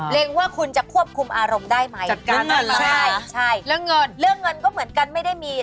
เล็งว่าคุณจะควบคุมอารมณ์ได้ไหม